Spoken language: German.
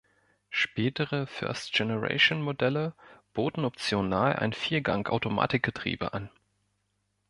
Spätere First-Generation Modelle boten optional ein Viergang-Automatikgetriebe an.